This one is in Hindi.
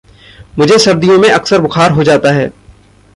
मुझे सर्दियों में अक्सर बुखार हो जाता है।